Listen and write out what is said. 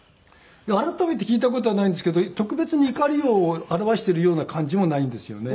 改めて聞いた事はないんですけど特別に怒りを表しているような感じもないんですよね。